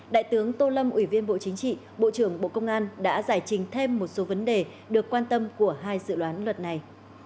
đại tướng tô lâm ủy viên bộ chính trị bộ trưởng bộ công an đã giải trình thêm một số vấn đề được quan tâm của hai dự đoán luật này